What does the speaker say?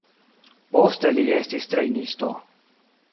Poste li estis trejnisto.